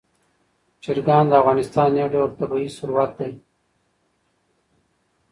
چرګان د افغانستان یو ډول طبعي ثروت دی.